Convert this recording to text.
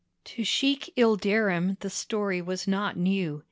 To Sheik Ilderim the story was not new.